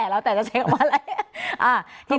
แล้วแต่จะเช็คว่าอะไร